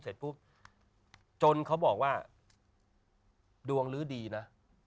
เสร็จปุ๊บจนเขาบอกว่าดวงลื้อดีนะ